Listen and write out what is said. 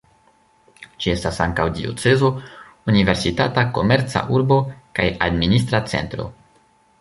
Ĝi estas ankaŭ diocezo, universitata, komerca urbo kaj administra centro.